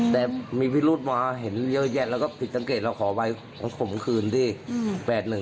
แต่มีพิรุธมาเห็นเยอะแยะเราก็ผิดตังเกตเราขอใบขมคืนที่๘๑ไหมคืนอ่ะ